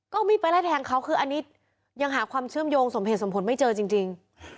ก็เอามีดไปไล่แทงเขาคืออันนี้ยังหาความเชื่อมโยงสมเหตุสมผลไม่เจอจริง